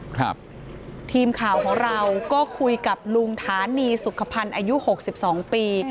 ครับทีมข่าวของเราก็คุยกับลุงฐานีสุขภัณฑ์อายุหกสิบสองปี